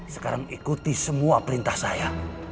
sekarang ikuti semua perintah saya